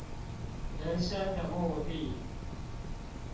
人生的目的